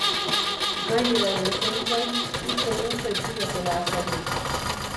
Gaia ere zein zen uste dut ez zidatela azaldu.